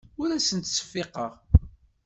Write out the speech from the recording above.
Ur asen-ttseffiqeɣ.